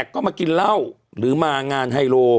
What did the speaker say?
ก็มากินเหล้าหรือมางานไฮโล